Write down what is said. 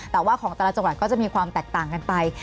แต่ว่าของแต่ละจังหวัดก็จะมีความแตกต่างกันไป